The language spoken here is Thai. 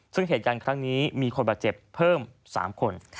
ซึ่งเหตุการณ์ครั้งนี้มีคนบาดเจ็บเพิ่ม๓คน